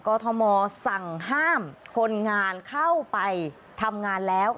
ทมสั่งห้ามคนงานเข้าไปทำงานแล้ว